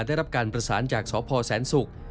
ได้รับการประสานจากสพแสนศุกร์